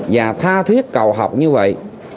và tha thiết cầu học như vậy